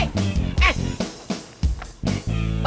eh pape ikutnya